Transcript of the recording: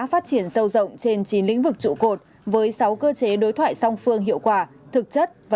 phát triển sâu rộng trên chín lĩnh vực trụ cột với sáu cơ chế đối thoại song phương hiệu quả thực chất và